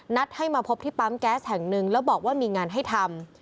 ให้มาพบที่ปั๊มแก๊สแห่งหนึ่งแล้วบอกว่ามีงานให้ทำ